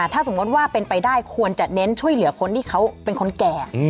ถ้าสมมุติว่าเป็นไปได้ควรจะเน้นช่วยเหลือคนที่เขาเป็นคนแก่